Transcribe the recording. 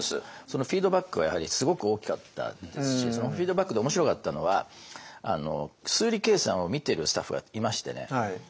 そのフィードバックはやはりすごく大きかったですしそのフィードバックで面白かったのは数理計算を見てるスタッフがいましてね。